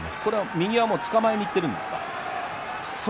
右はつかまえにいっていますか？